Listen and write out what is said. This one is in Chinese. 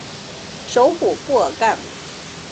首府布尔干。